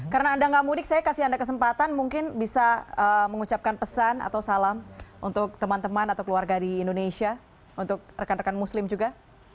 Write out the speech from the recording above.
karena anda tidak mudik saya kasih anda kesempatan mungkin bisa mengucapkan pesan atau salam untuk teman teman atau keluarga di indonesia untuk rekan rekan muslim juga